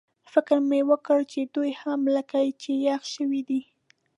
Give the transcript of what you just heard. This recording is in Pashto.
فکر مې وکړ چې دوی هم لکه چې یخ شوي دي.